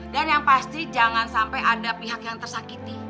dan yang pasti jangan sampai ada pihak yang tersakiti